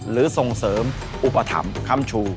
หรือส่งเสริมอุปถรรมคำชู